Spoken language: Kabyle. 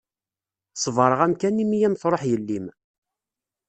Ṣebreɣ-am kan imi i am-truḥ yelli-m.